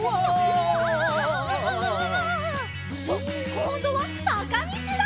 こんどはさかみちだ！